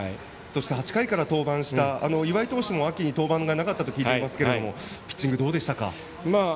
８回から登板した岩井投手も秋に登板がなかったと聞いていますけどもピッチング、どうでしたか。